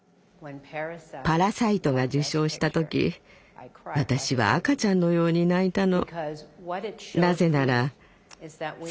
「パラサイト」が受賞した時私は赤ちゃんのように泣いたの。